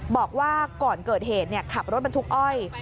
บอกว่าก่อนเกิดเหตุขับรถบรรทุกอ้อย